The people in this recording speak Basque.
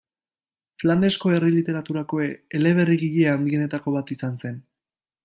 Flandesko herri-literaturako eleberrigile handienetako bat izan zen.